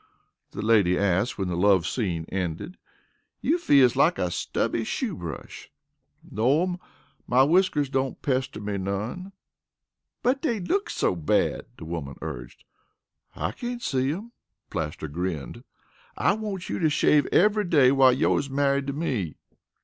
the lady asked when the love scene ended. "You feels like a stubby shoe brush." "No'm, my whiskers don't pester me none." "But dey looks so bad," the woman urged. "I cain't see 'em," Plaster grinned. "I wants you to shave eve'y day while you is married to me."